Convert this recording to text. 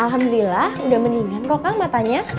alhamdulillah udah mendingan kok kang matanya